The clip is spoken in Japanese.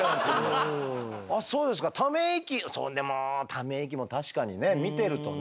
ため息そうでもため息も確かにね見てるとね。